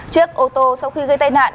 chiếc ô tô sau khi gây tai nạn